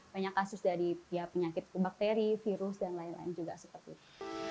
banyak kasus dari penyakit bakteri virus dan lain lain juga seperti itu